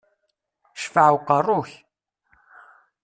Ccfaɛ uqerru-k!